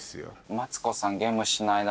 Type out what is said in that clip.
マツコさん。